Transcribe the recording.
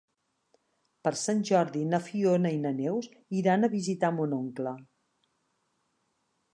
Per Sant Jordi na Fiona i na Neus iran a visitar mon oncle.